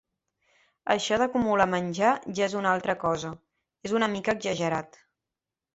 Això d’acumular menjar ja és una altra cosa… És una mica exagerat.